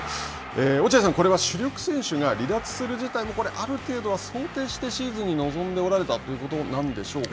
落合さん、これは主力選手が離脱する事態もある程度は想定してシーズンに臨んでおられたということなんでしょうか。